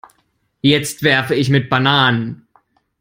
Jetzt werfe ich mit Bananen.